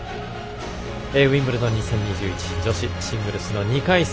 ウィンブルドン２０２１女子シングルスの２回戦